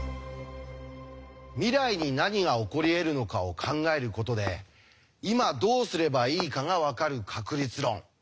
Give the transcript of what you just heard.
未来に何が起こりえるのかを考えることで今どうすればいいかが分かる確率論。